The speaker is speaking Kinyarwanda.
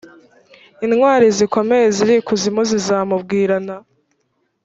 intwari zikomeye ziri ikuzimu zizamubwirana